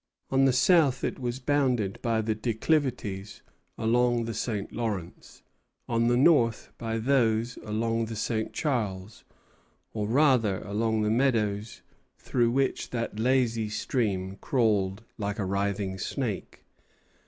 On the south it was bounded by the declivities along the St. Lawrence; on the north, by those along the St. Charles, or rather along the meadows through which that lazy stream crawled like a writhing snake.